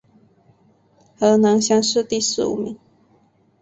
河南乡试第十五名。